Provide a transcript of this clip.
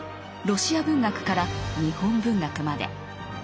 ロシア文学から日本文学まで。